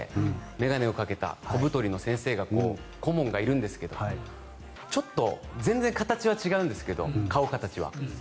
眼鏡をかけた小太りの先生顧問がいるんですがちょっと全然形は違うんですけど顔かたちは。